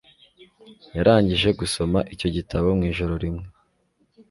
yarangije gusoma icyo gitabo mu ijoro rimwe